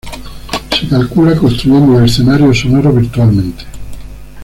Se calcula construyendo el escenario sonoro virtualmente.